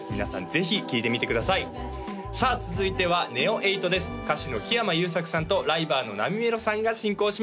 ぜひ聴いてみてくださいさあ続いてはＮＥＯ８です歌手の木山裕策さんとライバーのなみめろさんが進行します